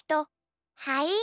はい！